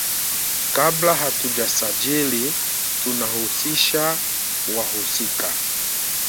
Kabla hatujasajili tunahusisha wahusika.